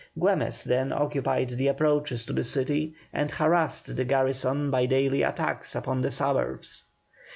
Güemes then occupied the approaches to the city and harassed the garrison by daily attacks upon the suburbs.